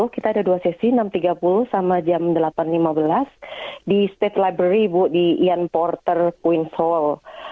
kita ada dua sesi enam tiga puluh sama jam delapan lima belas di state library bu di yan porter queens hall